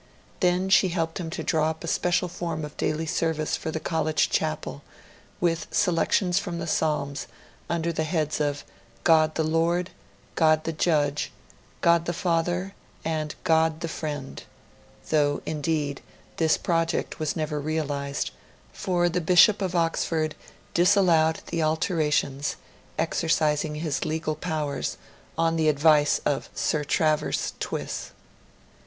Then she helped him to draw up a special form of daily service for the College Chapel, with selections from the Psalms under the heads of 'God the Lord, God the judge, God the Father, and God the Friend' though, indeed, this project was never realised; for the Bishop of Oxford disallowed the alterations, exercising his legal powers, on the advice of Sir Travers Twiss.